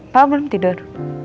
pak belum tidur